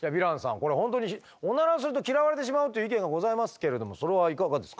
これ本当にオナラすると嫌われてしまうという意見がございますけれどもそれはいかがですか？